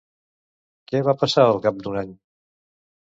Què va passar al cap d'un any?